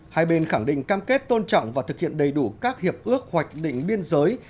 hai bên khẳng định cam kết tôn trọng và thực hiện đầy đủ các hiệp ước hoạch định biên giới